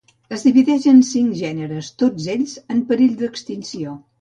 Es divideix en cinc gèneres, tots ells en perill d'extinció